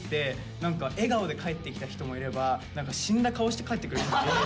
何か笑顔で帰ってきた人もいれば何か死んだ顔して帰ってくる人もいて。